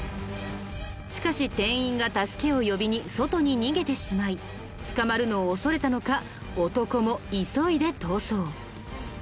しかし店員が助けを呼びに外に逃げてしまい捕まるのを恐れたのか男も急いで逃走。